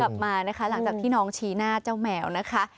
กลับมานะคะหลังจากที่น้องชี้หน้าเจ้าแมวนะคะ